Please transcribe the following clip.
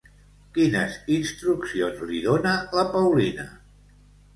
Quines instruccions li dona la Paulina?